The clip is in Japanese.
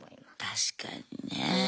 確かにね。